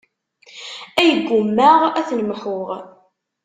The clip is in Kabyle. Ay ggummaɣ ad ten-mḥuɣ.